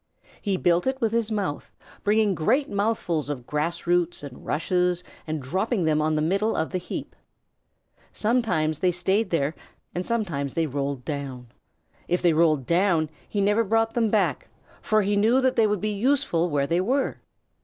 He built it with his mouth, bringing great mouthfuls of grass roots and rushes and dropping them on the middle of the heap. Sometimes they stayed there and sometimes they rolled down. If they rolled down he never brought them back, for he knew that they would be useful where they were.